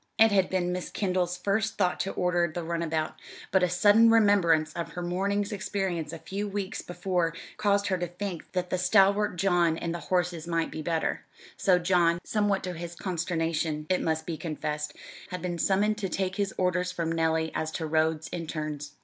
It had been Miss Kendall's first thought to order the runabout, but a sudden remembrance of her morning's experience a few weeks before caused her to think that the stalwart John and the horses might be better; so John, somewhat to his consternation, it must be confessed, had been summoned to take his orders from Nellie as to roads and turns.